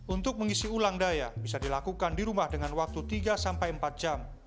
untuk mengisi ulang daya bisa dilakukan di rumah dengan waktu tiga sampai empat jam